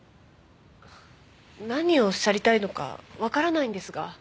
何をおっしゃりたいのかわからないんですが。